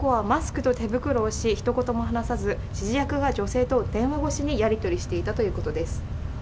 男はマスクと手袋をし、ひと言も話さず、指示役が女性と電話越しにやりとりしていたということです。